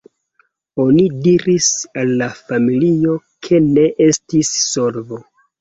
Oni diris al la familio ke ne estis solvo”.